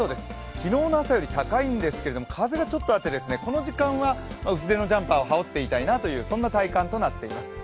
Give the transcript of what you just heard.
昨日の朝より高いんですけども、風がちょっとあってこの時間は薄手のジャンパーを羽織っていたいなという体感になっています。